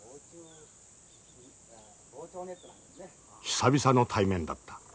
久々の対面だった。